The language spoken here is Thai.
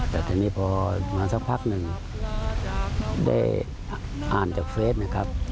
แต่ทีนี้พอมาสักพักหนึ่งได้อ่านจากเฟสนะครับ